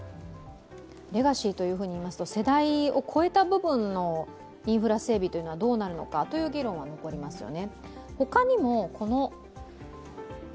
レガシーといいますと、世代を超えた部分のインフラ整備はどうなるのかという議論は残りますよね。